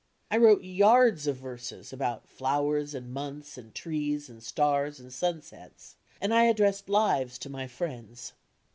I wrote yards of verses about flowers and months and trees and stars and sunsets, and I addressed "Lives" to my friends.